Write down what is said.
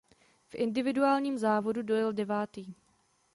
V individuálním závodu dojel devátý.